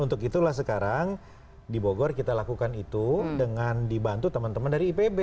untuk itulah sekarang di bogor kita lakukan itu dengan dibantu teman teman dari ipb